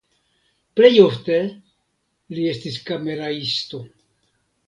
Plej ofte li estis kameraisto.